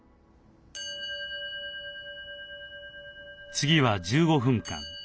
次は１５分間。